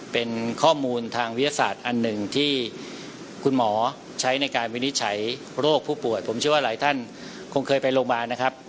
เป็นข้อมูลทางวิทยาศาสตร์อันหนึ่งที่คุณหมอใช้ในการวินิจฉัยโรคผู้ป่วยผมเชื่อว่าหลายท่านคงเคยไปโรงพยาบาลนะครับ